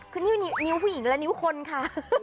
คือนิ้วผู้หญิงและนิ้วคนค่ะ